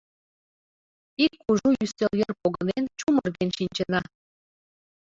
Ик кужу ӱстел йыр погынен-чумырген шинчына.